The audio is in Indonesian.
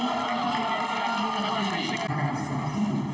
sepadanan yang selalu